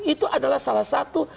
itu adalah salah satu